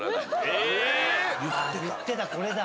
ああ言ってたこれだ。